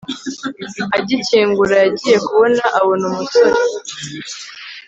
agikingura yagiye kubona abona umosore